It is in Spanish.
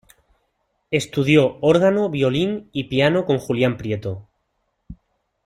Estudió órgano, violín y piano con Julián Prieto.